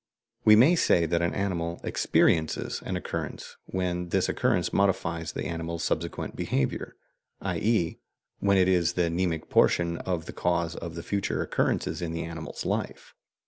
We may say that an animal "experiences" an occurrence when this occurrence modifies the animal's subsequent behaviour, i.e. when it is the mnemic portion of the cause of future occurrences in the animal's life.